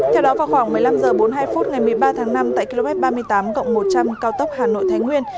theo đó vào khoảng một mươi năm h bốn mươi hai phút ngày một mươi ba tháng năm tại km ba mươi tám cộng một trăm linh cao tốc hà nội thái nguyên